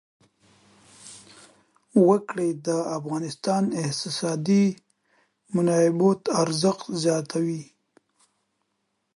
وګړي د افغانستان د اقتصادي منابعو ارزښت زیاتوي.